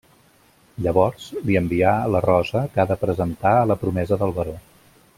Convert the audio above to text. Llavors, li envia la rosa que ha de presentar a la promesa del baró.